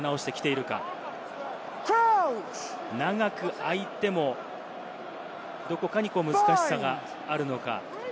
長く空いてもどこかに難しさがあるのか。